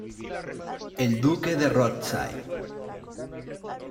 El Duque de Rothesay.